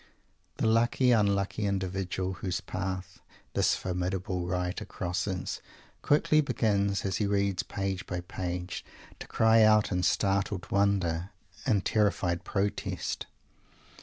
The lucky unlucky individual whose path this formidable writer crosses, quickly begins, as he reads page by page, to cry out in startled wonder, in terrified protest.